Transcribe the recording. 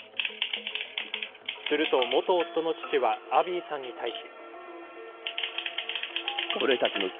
すると、元夫の父はアビーさんに対し。